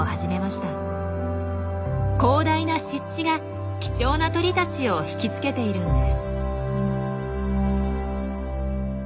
広大な湿地が貴重な鳥たちを引き付けているんです。